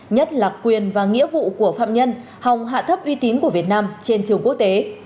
nhất là quyền và nghĩa vụ của phạm nhân hòng hạ thấp uy tín của việt nam trên trường quốc tế